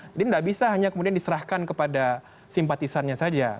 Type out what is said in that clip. jadi tidak bisa hanya kemudian diserahkan kepada simpatisannya saja